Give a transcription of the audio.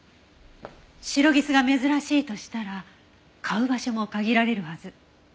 シロギスが珍しいとしたら買う場所も限られるはず。